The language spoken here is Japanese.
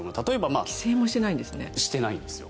規制もしていないんですね。